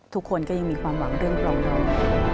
ทุกคนก็ยังมีความหวังเรื่องปลอมเท่านั้น